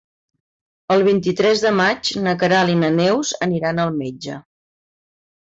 El vint-i-tres de maig na Queralt i na Neus aniran al metge.